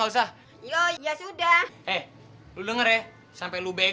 udah mesen sayur asam gudeg